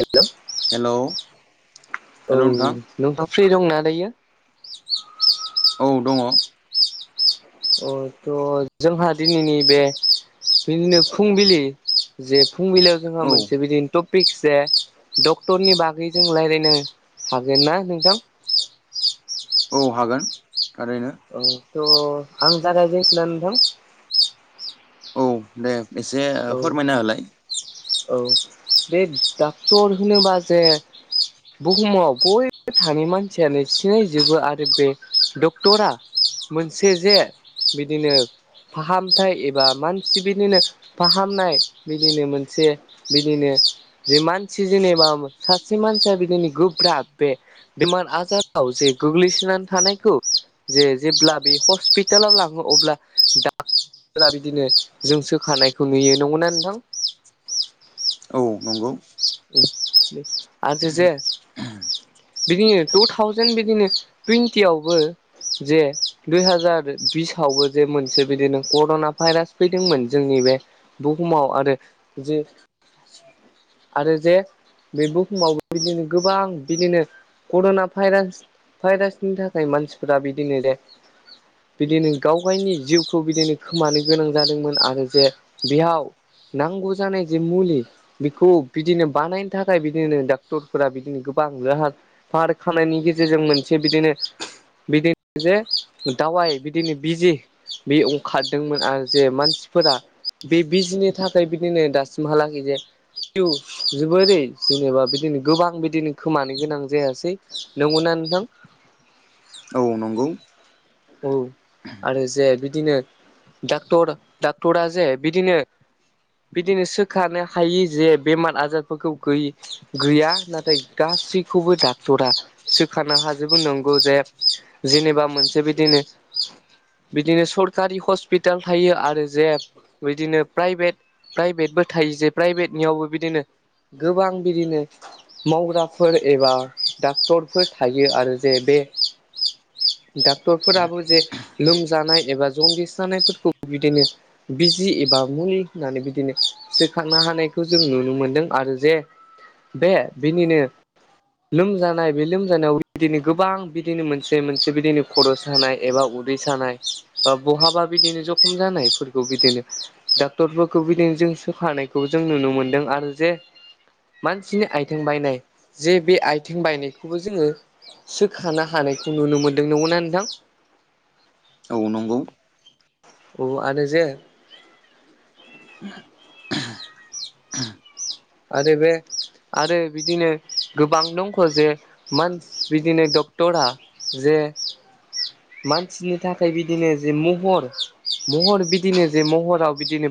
Hello hello औ hello नोंथां नोंथ' फ्रि दंना दायो औ दङ अ थ' जोंहा दिनैनि बे बिदिनो फुंबिलि जे फुंबिलायाव जोंहा मोनसे बिदिनो थप- पिक्स ए डक्टरनि बागैजों रायज्लायनो हागोन ना नोंथां। औ हागोन थारैनो। औ थ' आं जागाया जिन्स ना नोंथां। औ दे एसे औ फोरमायना होलाय। औ बे डाक्टर होनोबा जे बुहुमाव बयबो थानाय मानसियानो सिनायजोबो आरो बे डक्टरा मोनसे जे बिदिनो फाहामथायाइ एबा मानसि बिदिनो फाहामनाय बिदिनो मोनसे बिदिनो जे मानसि जेनेबा सासे मानसिया बिदिनो गोब्राब बे बिमान आजाराव जे गोग्लैसोनानै थानायखौ जे जेब्ला बे हस्पितालाव लाङो अब्ला डा फोर बिदिनो जों सोखानायखौ नुयो नंगौ ना नोंथां। औ नंगौ आर जो जे बिदिनो टु थावजेन बिदिनो टुइन्टियावबो जे दुइ हाजार बिसावबो जे मोनसे बिदिनो कर'ना भाइरास फैदोंमोन जोंनि बे बुहुमाव आरो जि आरो जे बे बुहुमावबो बिदिनो गोबां बिदिनो कर'ना भाइरास भाइरासनि थाखाय मानसिफोरा बिदिनो दे बिदिनो गाव गावनि जिउखौ बिदिनो खोमानो गोनां जादोंमोन आरो जे बेयाव नांगौ जानाय जे मुलि बेखौ बिदिनो बानायनो थाखाय बिदिनो डाक्टरफोरा बिदिनो गोबां लाहार बार खानायनि गेजेरजों मोनसे बिदिनो बिदिनो जे दावाइ बिदिनो बिजि बे अंखारदोंमोन आरो जे मानसिफोरा बे बिजिनि थाखाय बिदिनो दासिमहालागै जे खिउ जोबोरै जेनेबा बिदिनो गोबां बिदिनो खोमानो गोनां जायासै। नंगौना नोंथां। औ नंगौ औ आरो जे बिदिनो डाक्टर डाक्टरा जे बिदिनो बिदिनो सोखानो हायि जे बेमार आजारफोरखौ गैयि गैया नाथाय गासैखौबो डाक्टरा सोखानो हाजोबो नंगौ जे जेनेबा मोनसे बिदिनो बिदिनो सरकारि हस्पिटाल थायो आरो जे बिदिनो प्राइभेट प्राइभेटबो थायो जै प्राइभेटनियावबो बिदिनो गोबां बिदिनो मावग्राफोर एबा डाक्टरफोर थायो आरो जे बे डाक्टरफोराबो जे लोमजानाय एबा जनदिसजानायफोरखौ बिदिनो बिजि एबा मुलि होननानै बिदिनो सोखांनो हानायखौ जों नु नो मोनदों आरो जे बे बिनिनो लोमजानाय बे लोमजानायाव बिदिनो गोबां बिदिनो मोनसे मोनसे बिदिनो खर' सानाय एबा उदै सानाय बा बहाबा बिदिनो जखम जानायफोरखौ बिदिनो डाक्टरफोरखौ बिदिनो जों सोखानायखौ जों नुनो मोनदों आरो जे मानसिनि आथिं बायनाय जे बे आथिं बायनायखौबो जोङो सोखानो हानायखौ नुनो मोनदों नंगौना नोंथां। औ नंगौ औ आरो जे आरो बेे आरो बिदिनो गोबां दंख' जे मान्स बिदिनो डक्टरा जे मानसिनि थाखाय बिदिनो जे महर महर बिदिनो जे महराव बिदिनो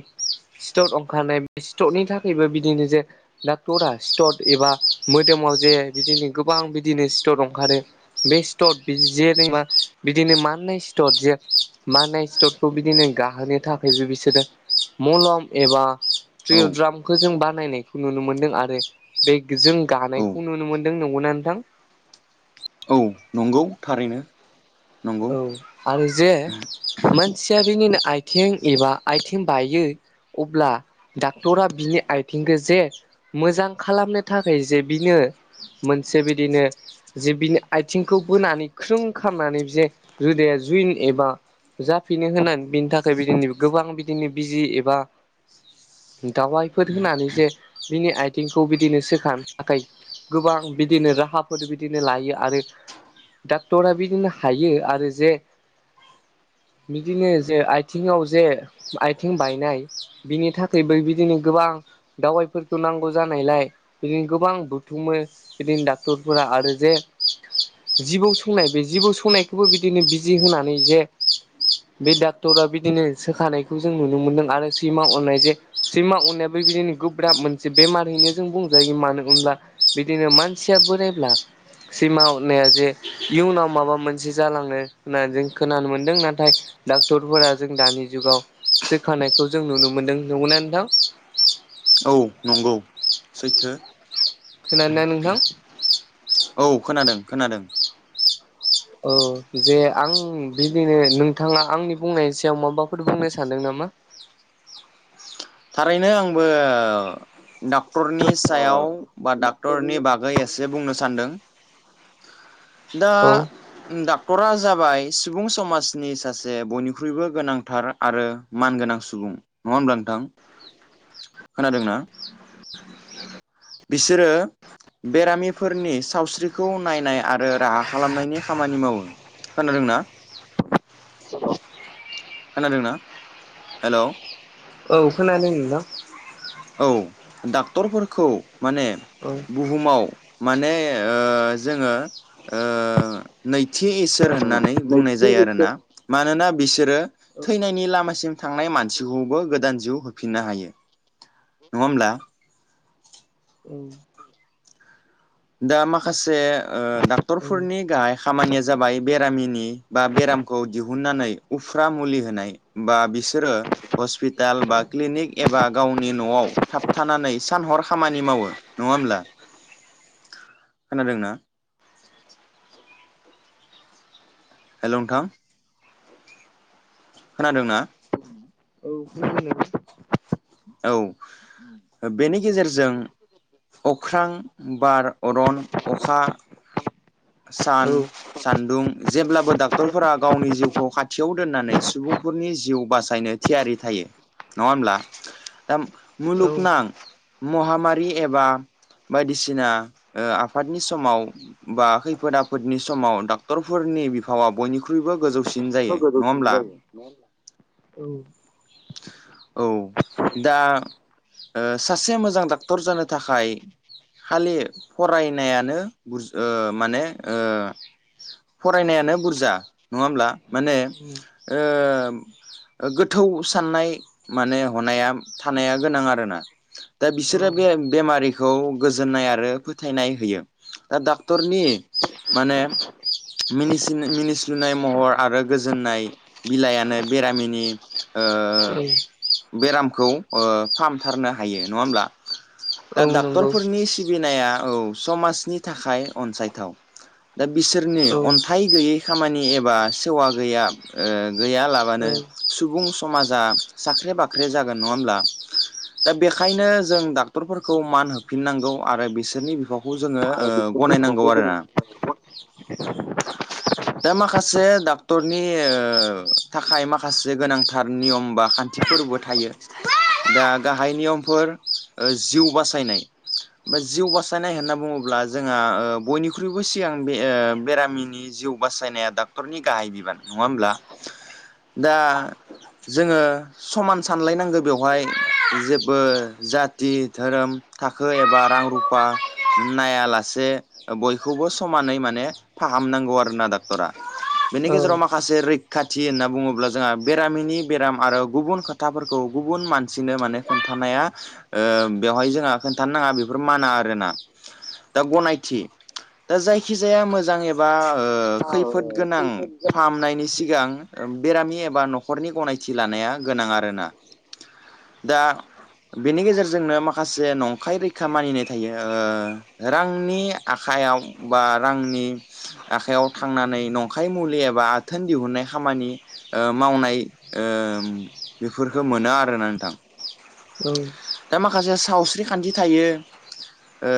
सिथर ओंखारनाय बे सिथरनि थाखायबो बिदिनो जे डाक्टरा सिथर एबा मोदोमाव जे बिदिनो गोबां बिदिनो सिथर ओंखारो बे सिथर जेनबा बिदिनो माननाय सिथर जे माननाय सिथरखौ बिदिनो गाहोनो थाखायबो बिसोरो मलम एबा औ ट्रियद्रामखौ जों बानायनाय खौ नुनो मोनदों आरो बे जों औ गानायखौ नुनो मोनदों नंगौना नोंथां औ नंगौ थारैनो नंगौ औ आरो जे मानसिया बिनिनो आयथें एबा आयथिं बायो अब्ला डाक्टरा बिनि आयथिंखो जे मोजां खालामनो थाखाय जे बिनो मोनसे बिदिनो जे बिनि आथिंखौ बोनानै ख्रों खालामनानै जे रोदाया जुइन एबा जाफिनो होननानै बिनि थाखाय बिदिनो गोबां बिदिनो बिजि एबा दावबायफोर होनानै जे बिनि आथिंखौ बिदिनो सोखानो थाखाय गोबां बिदिनो राहाफोर बिदिनो लायो आरो डाक्टरा बिदिनो हायो आरो जे बिदिनो जे आयथिङाव जे आयथिं बायनाय बिनि थाखायबो बिदिनो गोबां दावबायफोरखौ नांगौ जानायलाय बिदिनो गोबां बुथुमो बिदिनो डाक्टरफोरा आरो जे जिबौ सौनाय बे जिबौ सौनायखौबो बिदिनो बिजि होनानै जे बे डाक्टरा बिदिनो सोखानायखौ जों नुनो मोन्दों आरो सैमा अरनाय जे सैमा अरनायाबो बिदिनो गोब्राब मोनसे बेमारयैनो जों बुंजायो मानो होनब्ला बिदिनो मानसिया बोरायब्ला सैमा अरनाया जे इयुनाव माबा मोन से जालाङो होननानै जों खोनानो मोनदों नाथाय डक्टरफोरा जों दानि जुगाव सोखानायखौ जों नुनो मोनदों नंगौना नोंथां औ नंगौ सैथो खोनादोंना नोंथां औ खोनादों खोनादों औ जे आं बिदिनो नोंथाङा आंनि बुंनायनि सायाव माबाफोर बुंनो सानदों नामा थारैनो आंबो डाक्टरनि सायाव बा डाक्टरनि बागै एसे जे बुंनो सान्दों दा औ डाक्टरा जाबाय सुबुं समाजनि सासे बयनिख्रुइबो गोनांथार आरो मानगोनां सुबुं नङा होनब्ला नोंथां खोनादोंना बिसोरो बेरामिफोरनि सावस्रिखौ नायनाय आरो राहा खालामनायनि खामानि मावो खोनादोंना [unintelligible] खोनादोंना हेलौ औ खोनादों नोंथां औ डाक्टरफोरखौ माने औ बुहुमाव माने ओ जोङो ओ नैथि इसोर होननानै बुंनाय जायो आरोना मानोना बिसोरो औ थैनायनि लामासिम थांनाय मानसिखौबो गोदान जिउ होफिननो हायो नङा होमब्ला औ दा माखासे ओ औ डाक्टरफोरनि गाहाय खामानिया जाबाय बेरामिनि बा बेरामखौ दिहुननानै उफ्रा मुलि होनाय बा बिसोरो हस्पिटाल बा क्लिनिक एबा गावनि न'आव थाबथानानै सान हर खामानि मावो नङा होमब्ला खोनादोंना हेल' नोंथां खोनादों ना? औ औ बेनि गेजेरजों अख्रां, बार, अरन, अखा, सान सानदुं जेब्लाबो डाक्टरफोरा गावनि जिउखौ खाथियाव दोननानै सुबुंफोरनि जिउ बासायनो थियारि थायो नङा होमब्ला? दा औ मुलुगनां महामारि एबा बायदिसिना आफादनि समाव बा खैफोद आफोदनि समाव डाक्टरफोरनि बिफावा बयनिख्रुइबो गोजौसिन जायो नङा गोदौसिन होमब्ला जायो औ। औ दा ओ सासे मोजां डाक्टर जानो थाखाय खालि फरायनायानो ओ माने ओ फरायनायानो बुरजा नङा होमब्ला? माने ओ गोथौ साननाय माने हनाया थानाया गोनां आरोना। दा बिसोरो बे बेमारिखौ गोजोननाय आरो फोथायनाय होयो। दा डक्टरनि माने मिनिस्लुनाय महर आरो गोजोननाय बिलाइयानो बेरामिनि ओ बेरामखौ ओ फाहामथारनो हायो नङा होमब्ला? दा औ नंगौ डाक्टरफोरनि सिबिनाया औ समाजनि थाखाय अनसायथाव। दा बिसोरनि औ अन्थाइ गैयै खामानि एबा सेवा गैया ओ गैया औ लाबानो सुबुं समाजा साख्रे बाख्रे जागोन नङा होमब्ला? दा बेखायनो जों डाक्टरफोरखौ मान होफिननांगौ आरो बिसोरनि बिफावखौ जोङो ओ गनायनांगौ आरो ना। [inaudible] दा माखासे डक्टरनि ओ थाखाय माखासे गोनांथार नियम बा खान्थ खान्थिफोरबो थायो दा गाहाय नियमफोर जिउ बासायनाय। [inaudible] बा जिउ बासायनाय होनना बुङोब्ला जोंहा ओ बयनिख्रुइबो सिगां ओ बे बेरामिनि जिउ बासायनाया डाक्टरनि गाहाय बिबान नङा होनब्ला? दा जोङो समान सानलायनांगौ बेवहाय जेबो जाथि धोरोम थाखो एबा रां रुफा नायालासे बयखौबो समानै माने फाहामनांगौ आरोना डक्टरा। बेनि औ गेजेराव माखासे रैखाथि होनना बुङोब्ला जोंहा बेरामिनि बेराम आरो गुबुन खोथाफोरखौ गुबुन मानसिनो माने खोन्थानाया ओ बेवहाय जोंहा खोन्थानो नाङा बेफोर माना आरोना। दा गनायथि ओ जायखिजाया मोजां एबा ओ खैफोद गोनां फाहामनायनि सिगां बेरामि एबा न'खरनि गनायथि लानाया गोनां आरोना। दा बेनि गेजेरजोंनो माखासे नंखाय रैखा मानिनाय थायो ओ रांनि आखाइायाव बा रांनि आखयाव थांनानै नंखाय मुलि एबा आथोन दिहुननाय खामानि ओ मावनाय ओ बेफोरखौ मोनो आरोना नोंथां। औं। दा माखासे सावस्रि खान्थि थायो ओ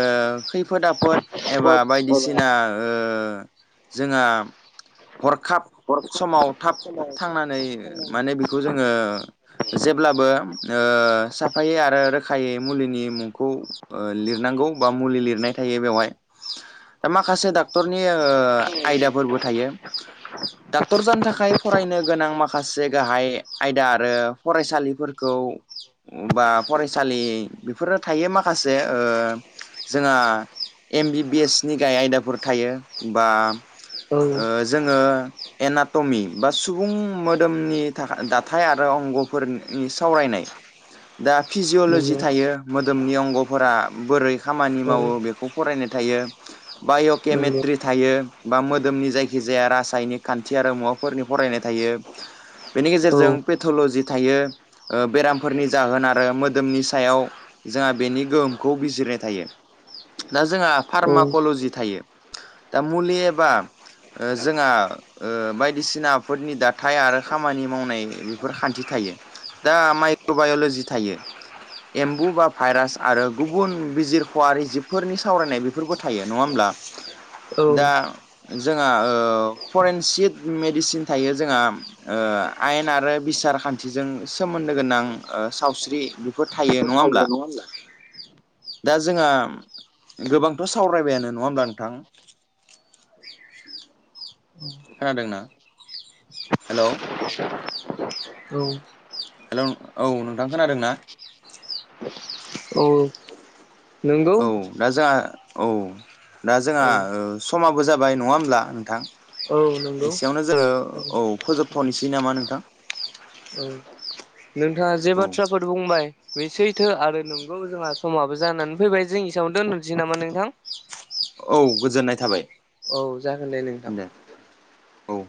खैफोद आफोद एबा बायदिसिना ओ जोंहा हरखाब समाव थाब थांनानै माने बेखौ जोङो जेब्लाबो ओ साफायै आरो रोखायै मुलिनि मुंखौ लिरनांगौ बा मुलि लिरनाय थायो बेवहाय [inaudible] दा माखासे डाक्टरनि आयदाफोरबो थायो डाक्टर जानो थाखाय फरायनो गोनां माखासे गाहाय आयदा आरो फरायसालिफोरखौ बा फरायसालि बेफोरो थायो माखासे ओ जोंहा एम बि बि एस नि गाह आयदाफोर थायो बा औ जोङो एनाटमि बा सुबुं मोदोमनि थाखा‌ डा थाय आरो अंग'फोरनि सावरायनाय दा फिजिअलजि नंगौ थायो मोदोमनि अंगफोरा बोरै खामानि औ मावो बेखौ फरायनाय थायो नंगौ बाय'केमेट्रि थायो बा मोदोमनि जायखिजाया रासायनिक खान्थि आरो मुवाफ फोरनि फरायनाय थायो बेनि औ गेजेरजों पेथलजि थायो बेरामफोरनि जाहोन आरो मोदोमनि सायाव जोंहा बेनि गोहोमखौ बिजिरनाय थायो दा जोंहा औ फार्मकल'जि थायो दा मुलि एबा ओ जोंहा ओ बायदिसिनाफोरनि दाथाय आरो खामानि मावनाय बेफोर खान्थि थायो दा माइक्र'बायलजि थायो एम्बु बा भाइरास आरो गुबुन बिजिरख'वि जिबफोरनि सावरायनाय बेफोरबो थायो नङा होमब्ला [inaudible] दा जोंहा फरेनसिक मेडिसिन थायो जोंहा ओ आयेन आरो बिसार खान्थिजों सोमोन्दो गोनां ओ सावस्रि बेफोर थायो नङा होमब्ला [inaudible] दा जोंहा गोबांथ' सावरायबायानो नङा होमब्ला नोंथां खोनादोंना हेल' [inaudible] हेल' औ नोंथां खोनादों ना औ औ दा जोंहा औ दा औ जोंहा ओ समाबो जाबाय नङा हब्ला नोंथां औ नंगौ एसेयावनो जोङो औ फोजोबथ'नोसै नामा नोंथां औ नोंथाङा जे औ बाथ्राफोर बुंबाय बे सैथो आरो नंगौ जोंहा समाबो जानानै फैबाय जों इसेयावानो दोनथ'नोसै नामा नोंथां औ गोजोननाय थाबाय औ जागोन दे नोंथां औ